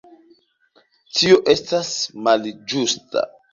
Tio estas malĝusta.